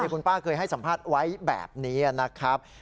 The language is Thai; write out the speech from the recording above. คุณป้าเคยให้สัมภาษณ์ไว้แบบนี้นะครับ